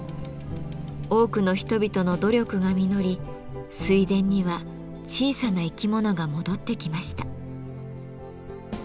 多くの人々の努力が実り水田には小さな生き物が戻ってきました。